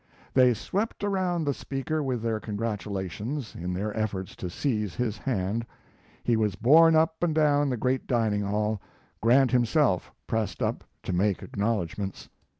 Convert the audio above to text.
They swept around the speaker with their congratulations, in their efforts to seize his hand. He was borne up and down the great dining hall. Grant himself pressed up to make acknowledgments.